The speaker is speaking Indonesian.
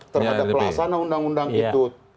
termasuk pelaksanaan undang undang itu